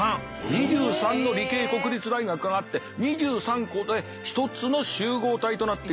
２３の理系国立大学があって２３校で一つの集合体となっているという。